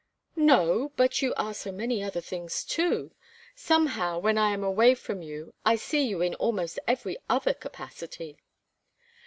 "No, but you are so many other things, too. Somehow, when I am away from you I see you in almost every other capacity."